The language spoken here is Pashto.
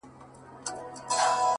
يو يمه خو-